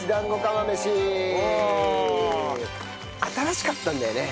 新しかったんだよね。